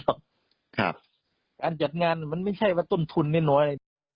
การจัดงานมันไม่ใช่ว่าต้นทุนไม่น้อย